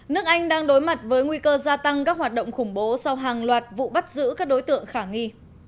nước anh đang đối mặt với nguy cơ gia tăng các hoạt động khủng bố sau hàng loạt vụ bắt giữ các đối tượng khả nghi